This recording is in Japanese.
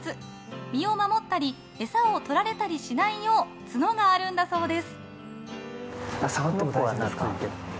身を守ったり餌をとられたりしないよう角があるんだそうです。